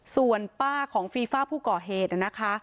ส่วนป้าของฟีฟ่าผู้ก่อเหตุนะคะ